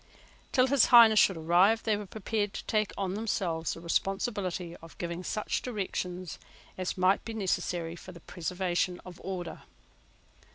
Till His Highness should arrive, they were prepared to take on themselves the responsibility of giving such directions as might be necessary for the preservation of order.